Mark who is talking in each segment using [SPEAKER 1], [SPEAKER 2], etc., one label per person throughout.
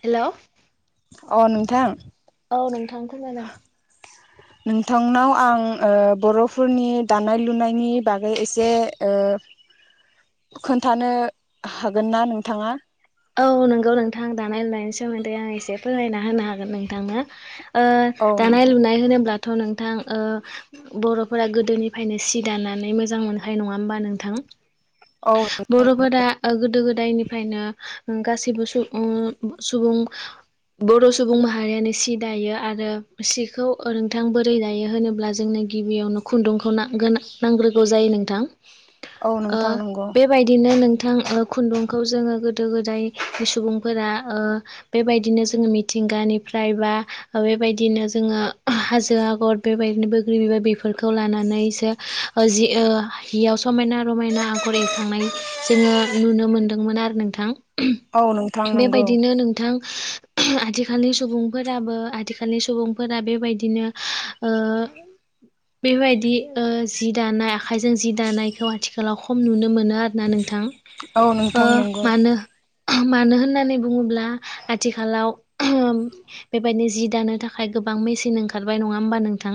[SPEAKER 1] Hello
[SPEAKER 2] अ नोंथां
[SPEAKER 1] औ नोंथां खोनादों
[SPEAKER 2] [inaudible] नोंथांनाव आं ओ बर'फोरनि दानाय लुनायनि बागै एसे ओ खोनथानो हागोन ना नोंथाङा?
[SPEAKER 1] औ नोंगौ नोंथां दानाय लुनायनि सोमोनदै आं एसे फोरमायना होनो हागोन नोंथांनो ओ
[SPEAKER 2] औ
[SPEAKER 1] दानाय
[SPEAKER 2] नोंथां
[SPEAKER 1] लुनाय होनोब्ला थ' नोंथां ओ बर'फोरा गोदोनिफ्रायनो सि दानानै मोजां मोनखानाय नङा होमबा नोंथां
[SPEAKER 2] [inaudible]
[SPEAKER 1] बर'फोरा ओ गोदो गोदायनिफ्रायनो गासैबो सुबुं बर' सुबुं माहारियानो सि दायो आरो सिखौ ओरोंथां [unintelligible] बोरै दायो होनोब्ला जोंनि गिबियावनो खुनदुंखौ नां गोनां नांग्रोगौ जायो नोंथां
[SPEAKER 2] औ
[SPEAKER 1] ओ
[SPEAKER 2] नोंथां नंगौ
[SPEAKER 1] बेबायदिनो नोंथां खुनदुंखौ जोङो गोदो गोदाय मा सुबुंफोरा ओ बेबायदिनो जोङो मिथिंगानिफ्राय बा बेबायदि दिनो जोङो हाजो आगर बेबायदिनो बैग्रि बिबार बेफोरखौ लानानैसो ओ जि ओ ओ हियाव समायना रमायना आगर एरखांनाय जोङो नुनो मोनदोंमोन आरो नोंथां
[SPEAKER 2] औ नोंथां नंगौ
[SPEAKER 1] बेबायदिनो नोंथां आथिखालनि सुबुंफोराबो आथिखालनि सुबुंफोरा बेबायदिनो ओ बेबायदि ओ जि दानाय आखाइजों जि दानायखौ आथिखालाव खम नुनो मोनो आरो ना नोंथां
[SPEAKER 2] औ नोंथां नंगौ
[SPEAKER 1] मानो मानो होननानै बुङोब्ला आथिखालाव बेबायदि जि दानो थाखाय गोबां बां मिसिन ओंखारबाय‌ नङा होनबा नोंथां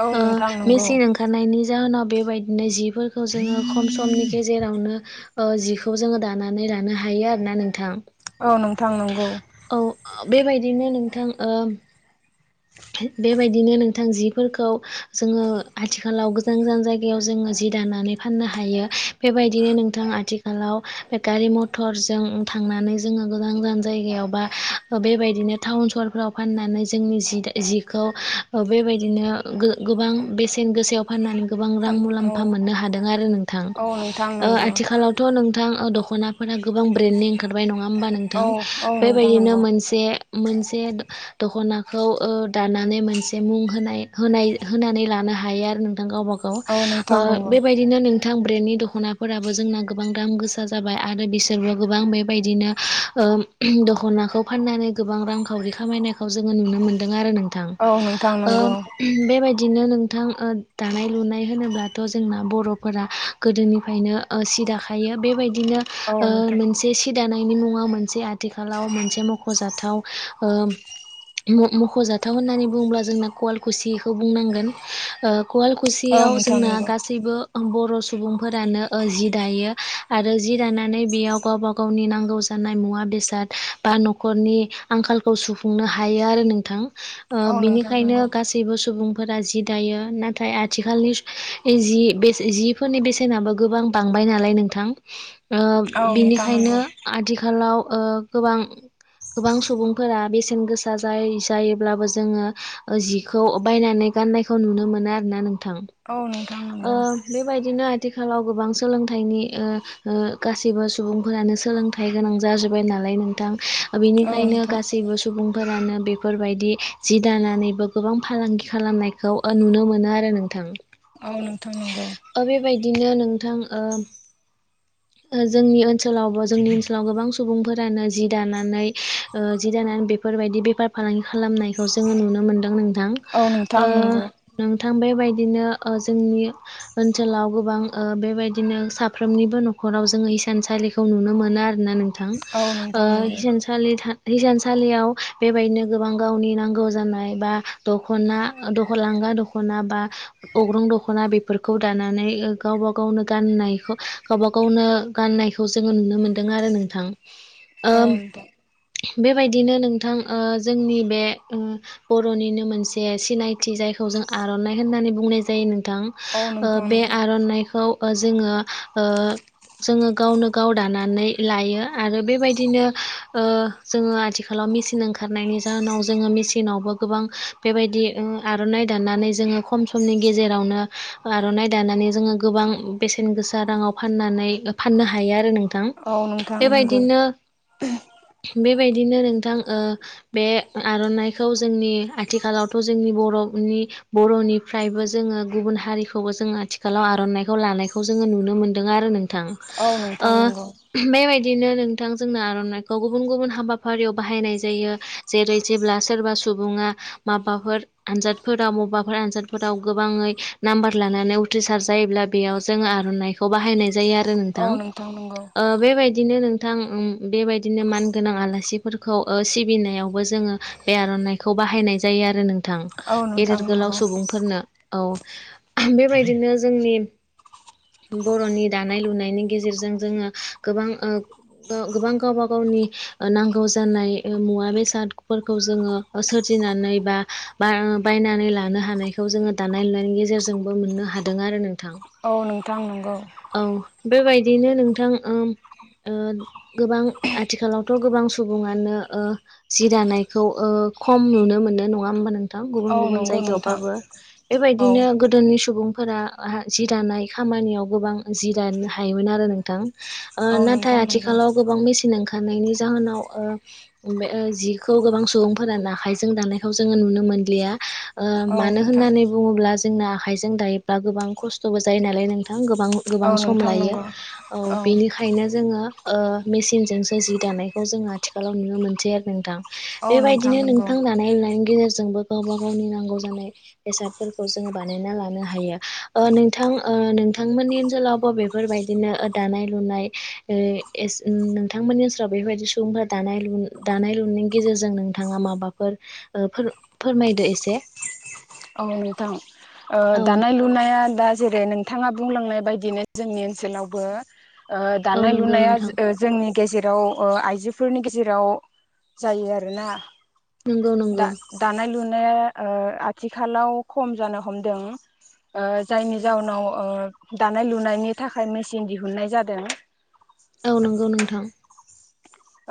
[SPEAKER 2] औ
[SPEAKER 1] ओ
[SPEAKER 2] नोंथां नंगौ
[SPEAKER 1] मेसिन ओंखारनायनि जाहोनाव बेबायदिनो जिफोरखौ जोङो खम समनि गेजेरावनो ओ जिखौ जोङो दानानै लानो हायो आरो ना नोंथां
[SPEAKER 2] औ नोंथां नंगौ
[SPEAKER 1] औ बेबायदिनो नों थां ओ बेबायदि बिदिनो नोंथां जिफोरखौ जोङो आथिखालाव गोजान गोजान जायगायाव जोङो जि दानानै फाननो हायो हायो बेबायदिनो नोंथां आथिखालाव बे गारि मटर ओम थांनानै जोङो गोजान गोजान जायगायावबा बेबायदिनो टाउन सहरफोराव फाननानै जों जिउखौ ओ बेबायदिनो गोबां बेसेन गोसायाव फाननानै गोबां रां
[SPEAKER 2] औ
[SPEAKER 1] मुलामफा मोननो हादों आरो नोंथां
[SPEAKER 2] औ नोंथां नंगौ
[SPEAKER 1] आथिखालावथ' नों नोंथां दख'नाफोरा गोबां ब्रेन्डनि ओंखारबाय नङा होमबा नोंथां
[SPEAKER 2] औ औ नोंथां
[SPEAKER 1] बेबायदिनो
[SPEAKER 2] नंगौ
[SPEAKER 1] मोनसे मोनसे दख'नाखौ ओ दानानै मोनसे मुं होनाय होनाय होनानै लानाय हायो आरो गावबा-गाव
[SPEAKER 2] औ
[SPEAKER 1] ओ
[SPEAKER 2] नोंथां नंगौ
[SPEAKER 1] बेबायदिनो नोंथ थां ब्रेन्डनि दख'नाफोराबो जोंना गोबां दाम गोसा जाबाय आरो बिसो बा गोबां बेबायदिनो ओ दख'नाखौ फाननानै गोबां रांखावरि खामायनायखौ जोङो नुनो मोनदों आरो नोंथां
[SPEAKER 2] औ नोंथां
[SPEAKER 1] ओ
[SPEAKER 2] नंगौ
[SPEAKER 1] बेबायदिनो नोंथां दानाय लुनाय होनोब्लाथ' जोंना बर'फोरा ओ गोदोनिफ्रायनो सि दाखायो बेबायदिनो
[SPEAKER 2] औ
[SPEAKER 1] ओ
[SPEAKER 2] नोंथां
[SPEAKER 1] मोनसे सि दानाय नि मुङा मोनसे आथिखालाव मोनसे मख'जाथाव ओ मख'जाथाव होननानै बुङोब्ला जोंना कवालकुसिखौ बुंनांगोन
[SPEAKER 2] औ
[SPEAKER 1] ख'वालकुसियाव
[SPEAKER 2] नोंथां
[SPEAKER 1] जोंना
[SPEAKER 2] नंगौ
[SPEAKER 1] गासैबो ओ बर' सुबुंफोरानो ओ जि दायो आरो जि दानानै बेयाव गावबा गावनि नांगौ जानाय मुवा बेसाद बा न'खरनि आंखालखौ सुफुंनो हायो रो आरो नोंथां ओ
[SPEAKER 2] औ नोंथां नंगौ
[SPEAKER 1] बेनिखायनो गैसैबो सुबुं फोरा जि दायो नाथाय आथिखालनि जि बेस जिफोरनि बेसेनाबो गोबां बां बाय नालाय नोंथां ओ
[SPEAKER 2] औ नोंथां
[SPEAKER 1] बिनिखायनो
[SPEAKER 2] नंगौ
[SPEAKER 1] आथिखालाव ओ गोबां गोबां सुबुंफोरा बेसेन गोसा जाय जायोब्लाबो जोङो ओ जिखौ बायनानै गाननायखौ नुनो मोनो आरोना नोंथां
[SPEAKER 2] औ नोंथां
[SPEAKER 1] ओ
[SPEAKER 2] नंगौ
[SPEAKER 1] बेबायदिनो आथिखालाव गोबां सोलोंथनि ओ ओ गासिबो सुबुंफोरानो सोलोंथाइ गोनां जाजोब्बाय नालाय नोंथां
[SPEAKER 2] औ
[SPEAKER 1] बेनिखायनो
[SPEAKER 2] नोंथां
[SPEAKER 1] गासैबो सुबुं फोरानो बेफोरबायदि जि दानानैबो गोबां फालांगि खालामनायखौ ओ नुनो मोनो आरो नोंथां
[SPEAKER 2] औ नोंथां नंगौ
[SPEAKER 1] बिदिनो नोंथां ओ ओ जोंनि ओनसोलावबो जोंनि ओनसोलाव गोबां सुबुंफोरानो जि दानानै ओ जि दानानै बेफोरबायदि बेफार फालांगि खालामनायखौ जोङो नुनो मोनदों नोंथां
[SPEAKER 2] औ
[SPEAKER 1] ओ
[SPEAKER 2] नोंथां नंगौ
[SPEAKER 1] नोंथां बे बायदिनो ओ जोंनि ओनसोलाव गोबां ओ बेबायदिनो साफ्रोमनिबो न' खराव जोङो हिसानसालिखौ नुनो मोनो आरो ना नोंथां
[SPEAKER 2] औ
[SPEAKER 1] ओ
[SPEAKER 2] नोंथां नंगौ
[SPEAKER 1] हिसानसालि था हिसानसालियाव बेबायदिनो गोबां गावनि नांगौ जानाय बा दखना लां गा दखना बा अग्रं दख'ना बेफोरखौ दानानै गावबा गावनो गनायखौ गाव गाव गावनो गाननायखौ जोङो नुनो मोन्दों आरो नोंथां
[SPEAKER 2] औ नोंथां
[SPEAKER 1] बेबायदिनो नोंथां ओ जोंनि बे उम बर'निनो मोनसे सिनाय थि जायखौ जों आर'नाइ होननानै बुंनाय जायो नोंथां ओ
[SPEAKER 2] नोंथां
[SPEAKER 1] बे आर'नाइखौ ओ जोंङो ओ जोङो गावनो गाव दानानै लायो आरो बेबायदिनो जोङो ओ आथिखा लाव मेसिन ओंखारनायनि जाहोनाव जोङो मेसिनावबो गोबां बेबायदि उम आर'नाइ दाननानै जों खम समनि गेजेरावनो आर'नाइ दानानै जोङो गोबां बेसेन गोसा राङाव फाननानै फाननो हायो आरो नोंथां
[SPEAKER 2] औ नोंथां नंगौ
[SPEAKER 1] बेबायदिनो बै बेबायदिनो नोंथां बे आर'नाइखौ जोंनि आथिखालावथ' जोंनि बर'नि बर'निफ्रायबो जोङो गुबुन हारिखौबो जों आथिखालाव आर'नाइखौ लानायखौ जोङो नुनो मोन दों आरो नोंथां
[SPEAKER 2] औ
[SPEAKER 1] ओ
[SPEAKER 2] नोंथां नंगौ
[SPEAKER 1] बे बाय बेनिनो नोंथां जोंनो आर'नाइखौ गुबुन गुबुन हाबाफारियाव बाहायनाय जायो जेरै जेब्ला सोरबा सुबुङा माबाफोर आनजादफोराव मबाफोर आनजादफोराव गोबाङै नाम्बार लानानै उथ्रिसार जायोब्ला बेयाव जों आरनाइखौ बाहायनाय जायो आरो
[SPEAKER 2] औ
[SPEAKER 1] नोंथां
[SPEAKER 2] नंगौ
[SPEAKER 1] ओ बेबायदिनो नों थां उम बेबायदिनो मानगोनां आलासिफोरखौ ओ सिबिनायावबो जोङो बे आर'नाइखौ बाहायनाय जायो आरो नोंथां
[SPEAKER 2] औ नोंथां
[SPEAKER 1] गेदेर गोलाव
[SPEAKER 2] नंगौ
[SPEAKER 1] सुबुंफोरनो औ बेबायदिनो जोंनि बर'नि दा नाय लुनायनि गेजेरजों जोङो गोबां ओ गोबां गावबा गावनि ओ नांगौ जानाय ओ मुवा बेसादफोरखौ जोङो सोरजि फिनानै बा बायनानै लानो हानायखौ जोङो दानाय लुनायनि गेजेरजोंबो मोननो हादों आरो नों
[SPEAKER 2] औ नोंथां नंगौ
[SPEAKER 1] बेबायदिनो नोंथां उम ओ गोबां आथिखालावथ' गोबां सुबुङानो ओ जि दानायखौ ओ खम नुनो मोनो नङा होमबा नों थां गुबुन
[SPEAKER 2] औ नोंथां नंगौ औ
[SPEAKER 1] गुबुन
[SPEAKER 2] नंगौ नोंथां
[SPEAKER 1] जायगायावबाबो
[SPEAKER 2] औ
[SPEAKER 1] बेबायदिनो गोदोनि सुबुं फोरा हा जि दानाय खामानियाव गोबां जि दानो हायोमोन आरो नोंथां ओ
[SPEAKER 2] औ
[SPEAKER 1] नाथाय
[SPEAKER 2] नोंथां नंगौ
[SPEAKER 1] आथिखालाव गोबां मेसिन ओं रनायनि जाहोनाव ओ जिखौ गोबां सुबुंफोरानो आखायजों दानायखौ जोङो नुनो मोन मोनलिया ओ
[SPEAKER 2] औ
[SPEAKER 1] मानो
[SPEAKER 2] नोंथां
[SPEAKER 1] होननानै बुङोब्ला जोंना आखाइजों दायोब्ला गोबां खस्थ'बो जायो नालाय नोंथां गोबां गोबां
[SPEAKER 2] औ
[SPEAKER 1] सम
[SPEAKER 2] नोंथां
[SPEAKER 1] लायो
[SPEAKER 2] नंगौ
[SPEAKER 1] औ बेनिखायनो जोङो ओ मेसिनजोंसो जि दानायखौ जोङो आथिखालाव नुनो मोनसै आरो नोंथां
[SPEAKER 2] औ
[SPEAKER 1] बेबायदिनो
[SPEAKER 2] नंगौ
[SPEAKER 1] नोंथां दानाय लुनायनि गेजेर जोंबो गावबा गावनि नांगौ जानाय बेसादफोरखौ जोङो बानायना लानो हायो ओ नोंथां नोंथांमोननि ओनसोलावबो बेफोरबायदिनो दानाय लुनाय नोंथांमोननि ओनसोलाव बेफोरबायदि सुबुं फोर दानाय लु दानाय लुनायनि गेजेरजों नोंथाङा माबाफोर फोरमायदो एसे
[SPEAKER 2] औ नोंथां ओ
[SPEAKER 1] औ
[SPEAKER 2] दानाय लुनाया दा जेरै नोंथाङा बुंलांनाय बायदिनो जोंनि ओनसोलावबो ओ
[SPEAKER 1] औ
[SPEAKER 2] दानाय
[SPEAKER 1] नंगौ
[SPEAKER 2] लुनाया
[SPEAKER 1] नोंथां
[SPEAKER 2] जोंनि गेजेराव ओ आइजोफोरनि गेजेराव जायो आरोना
[SPEAKER 1] नंगौ
[SPEAKER 2] दा
[SPEAKER 1] नंगौ
[SPEAKER 2] दानाय लुनाया ओ आ थिखालाव खम जानो हमदों ओ
[SPEAKER 1] औ
[SPEAKER 2] जायनि
[SPEAKER 1] नंगौ नोंथां
[SPEAKER 2] जाहोनाव ओ दानाय लुनायनि थाखाय मेचिन दिहुननाय जादों
[SPEAKER 1] औ नंगौ नोंथां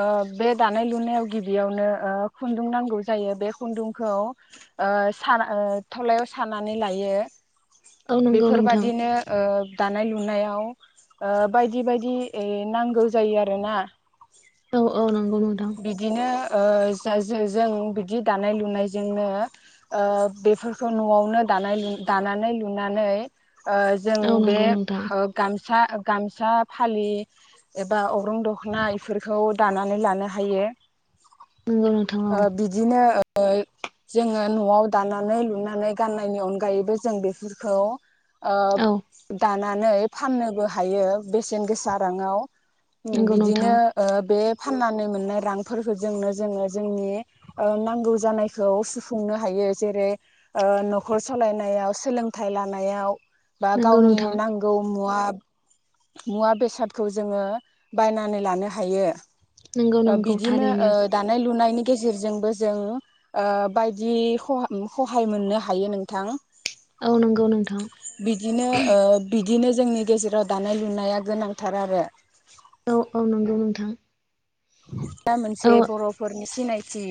[SPEAKER 2] ओ बे दानाय लुनायाव गिबियावनो ओ खुन्दुं नांगौ जायो बे खुन्दुंखौ ओ साना थलायाव सानानै लायो
[SPEAKER 1] औ नंगौ नोंथां
[SPEAKER 2] बेफोरबादिनो ओ दानाय लुनायाव ओ बायदि बायदि नांगौ जायो आरोना
[SPEAKER 1] औ औ नों
[SPEAKER 2] बिदिनो ओ जों बिदि दानाय लुनायजोंनो ओ बेफोरखौ न'आवनो दानाय दानानै लुनानै ओ जों
[SPEAKER 1] औ
[SPEAKER 2] बे
[SPEAKER 1] नंगौ नोंथां
[SPEAKER 2] ओ गाम सा गामसा फालि एबा अग्रं दख'ना बेफोरखौ दानानै लानो हायो
[SPEAKER 1] नंगौ नोंथां
[SPEAKER 2] ओ बिदिनो ओ जोङो न'आव दानानै लुनानै गाननायनि अनगायैबो जों बेफोरखौ ओ
[SPEAKER 1] औ
[SPEAKER 2] दानानै फाननोबो हायो बेसेन गोसा राङाव
[SPEAKER 1] नंगौ नोंथां
[SPEAKER 2] बिदिनो ओ बे फाननानै मोनना रांजोंनो जोङो जोंनि नांगौ जानायखौ सुफुंनो हायो जेरै ओ न'खर सालायनायाव सोलोंथाइ लानायाव बा
[SPEAKER 1] नंगौ
[SPEAKER 2] गावनि
[SPEAKER 1] नोंथां
[SPEAKER 2] नांगौ मुवा मुवा बेसादखौ जोङो बायनानै लानो हायो
[SPEAKER 1] नंगौ
[SPEAKER 2] ओ
[SPEAKER 1] नंगौ
[SPEAKER 2] बिदिनो ओ
[SPEAKER 1] थारैनो
[SPEAKER 2] दानाय लुनाय नि गेजेरजोंबो जों ओ बायदि हहाय मोननो हायो नोंथां
[SPEAKER 1] औ नंगौ नोंथां
[SPEAKER 2] बिदिनो ओ बिदिनो जोंनि गेजेराव दानाय लुनाया गोनांथार आरो
[SPEAKER 1] औ औ नंगौ नोंथां
[SPEAKER 2] दा
[SPEAKER 1] औ
[SPEAKER 2] मोनसे बर'फोरनि सिनायथि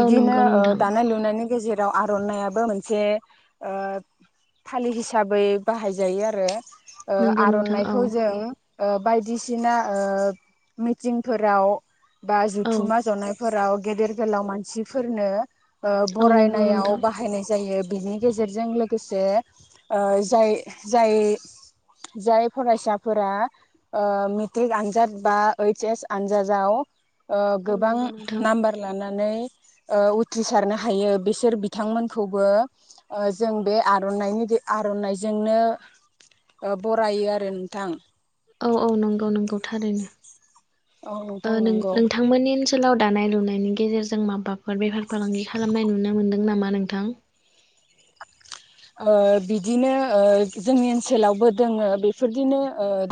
[SPEAKER 1] औ नंगौ
[SPEAKER 2] ओ
[SPEAKER 1] नोंथां
[SPEAKER 2] दानाय लुनायनि गेजेराव आर'नाइयाबो मोनसे ओ फालि हिसाबै बाहायजायो आरो ओ
[SPEAKER 1] नंगौ नोंथां औ
[SPEAKER 2] आर'नाइखौ जों ओ बायदिसिना ओ मिटिंफोराव बा
[SPEAKER 1] औ
[SPEAKER 2] जथुम्मा जनाय फोराव गेदेर गोलाव मानसिफोरनो
[SPEAKER 1] औ नंगौ
[SPEAKER 2] बरायनायाव
[SPEAKER 1] नोंथां
[SPEAKER 2] बाहायनाय जायो बिनि गेजेरजों लोगोसे ओ जाय जाय जाय फरायसाफोरा ओ मेट्रिक आनजाद बा ओइस एस आनजादाव
[SPEAKER 1] औ
[SPEAKER 2] गोबां
[SPEAKER 1] नंगौ नोंथां
[SPEAKER 2] नाम्बार लानानै उथ्रिसारनो हायो बिसोर बिथांमोनखौबो जों बे आर'नाइनि आर'नाइजोंनो बरायो आरो नोंथां
[SPEAKER 1] औ औ नंगौ नंगौ थारैनो
[SPEAKER 2] औ नोंथां नंगौ
[SPEAKER 1] नोंथांमोननि ओनसोलाव दानाय लुनायनि गेजेरजों माबाफोर बेफार फालांगि खालामनाय नुनो मोनदों नामा नोंथां
[SPEAKER 2] बिदिनो जोंनि ओनसोलावबो दोङो बेफोरदिनो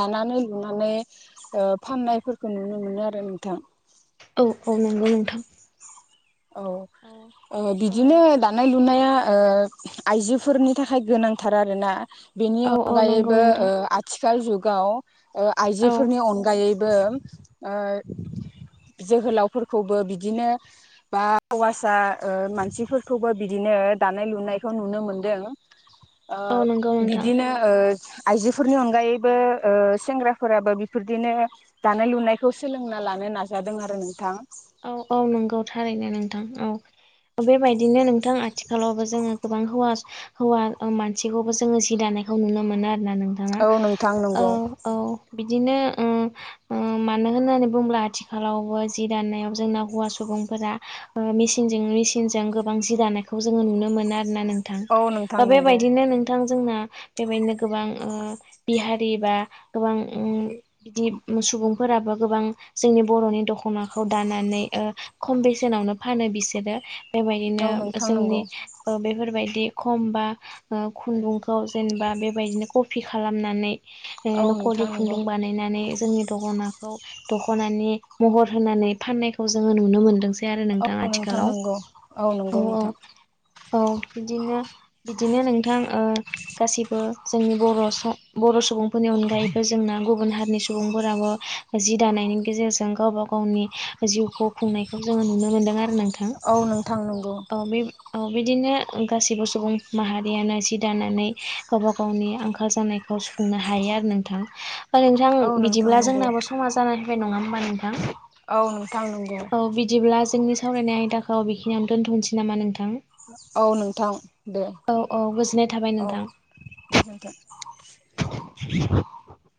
[SPEAKER 2] दानानै थांनानै फाननायफोरखौ नुनो मोनो आरो नोंथां
[SPEAKER 1] औ औ नोंगौ नोंथां
[SPEAKER 2] औ अ बिदिनो दानाय लुनाया ओ आइजोफोरनि थाखाय गोनांथार आरो ना बेनि
[SPEAKER 1] औ औ नंगौ
[SPEAKER 2] अनगायैबो
[SPEAKER 1] नोंथां
[SPEAKER 2] ओ आथिखाल जुगाव
[SPEAKER 1] औ
[SPEAKER 2] आइजोफोरनि अनगायै बो ओ जोहोलावफोरखौबो बिदिनो बा हौवासा ओ मानसिफोरखौबो बिदिनो दानाय-लुनायखौ नुनो मोनदों ओ
[SPEAKER 1] औ नंगौ नोंथां
[SPEAKER 2] बिदिनो ओ आइजोफोरनि अनगायैबो ओ सेंग्राफोराबो बिफोरदिनो दानाय-लुनायखौ सोलोंना लानो नाजादों आरो नोंथां
[SPEAKER 1] औ औ नंगौ थारैनो नोंथां औ बेबायदिनो नोंथां आथिखालावबो जोङो गोबां हौवास हौवा मानसिखौबो जोङो जि दाना नायखौ नुनो मोनो आरोना नोंथाङा
[SPEAKER 2] औ नोंथां
[SPEAKER 1] ओ
[SPEAKER 2] नंगौ
[SPEAKER 1] औ बिदिनो ओ ओ मानो होननानै बुङोब्ला आथिखालावबो जि दानायनायाव जोंना हौवा सुबुंफोरा ओ मिसिनजों मिसिनजों गोबां जि दानायखौ जोङो नुनो मोनो आरो ना नोंथां
[SPEAKER 2] औ नोंथां नंगौ
[SPEAKER 1] बेबायदिनो नों थां जोंना बेबायदिनो गोबां ओ बिहारि बा गोबां ओम बिदि सुबुंफोराबो गोबां जोंनि बर'नि दख'नाखौ दानानै ओ खम बेसेनावनो फानो बिसोरो बेबायदिनो
[SPEAKER 2] औ नोंथां नंगौ
[SPEAKER 1] जोंनि ओ बेफोरबाय दि खमबा ओ खुनदुंखौ जेनबा बेबायदिनो कफि खालामनानै ओ
[SPEAKER 2] औ
[SPEAKER 1] नख
[SPEAKER 2] नोंथां नंगौ
[SPEAKER 1] खुन्दुं बानायनानै जोंनि दख'नाखौ दख'नानि महर होनानै फाननायखौ जोङो नुनो मोनदोंसै आरो
[SPEAKER 2] औ
[SPEAKER 1] नोंथां आथिखालाव
[SPEAKER 2] नंगौ
[SPEAKER 1] औ
[SPEAKER 2] नंगौ
[SPEAKER 1] औ
[SPEAKER 2] नोंथां
[SPEAKER 1] औ बिदिनो बिदिनो नोंथां ओ गासिबो जोंनि बर' स बर' स बुंफोरनि अनगायैबो जोंना गुबुन हारिनि सुबुंफोराबो जि दानायनि गेजेरजों गावबा गावनि जिउखौ खुंनायखौ जोङो नुनो मोनदों आरो नोंथां
[SPEAKER 2] औ नोंथां नंगौ
[SPEAKER 1] औ बे औ बिदिनो गासैबो सुबुं माहारियानो जि दानानै गावबा गावनि आंखाल जानाय सुफुंनो हायो आरो नोंथां बा नोंथां
[SPEAKER 2] औ नोंथां
[SPEAKER 1] बिदिब्ला
[SPEAKER 2] नंगौ
[SPEAKER 1] जोंनाबो समा जानानानै फैबाय नङा होमबा नोंथां
[SPEAKER 2] औ नोंथां नोंगौ
[SPEAKER 1] औ
[SPEAKER 2] ।
[SPEAKER 1] बिदिब्ला जोंनि सावरायनाय आयदाखौ बिखिनियावनो दोनथ'नोसै नामा नोंथां
[SPEAKER 2] औ नोंथां दे
[SPEAKER 1] औ औ गोजोननाय थाबाय
[SPEAKER 2] औ
[SPEAKER 1] नोंथां
[SPEAKER 2] गोजोनथों ।
[SPEAKER 1] [inaudible]